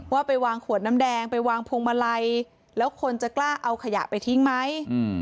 ว่าไปวางขวดน้ำแดงไปวางพวงมาลัยแล้วคนจะกล้าเอาขยะไปทิ้งไหม